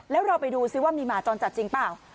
แล้วเราไปดูซิว่ามีหมาจรจัดจริงเปล่า